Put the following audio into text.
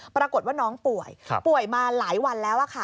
ปรากฏว่าน้องป่วยป่วยมาหลายวันแล้วค่ะ